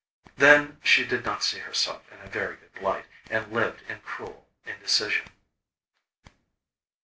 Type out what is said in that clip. Then, she did not see herself in a very good light, and lived in cruel indecision.